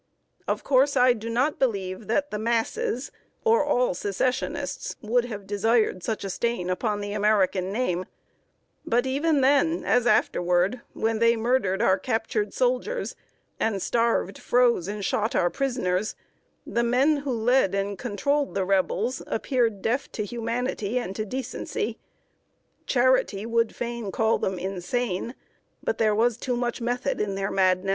Of course, I do not believe that the masses, or all Secessionists, would have desired such a stain upon the American name; but even then, as afterward, when they murdered our captured soldiers, and starved, froze, and shot our prisoners, the men who led and controlled the Rebels appeared deaf to humanity and to decency. Charity would fain call them insane; but there was too much method in their madness.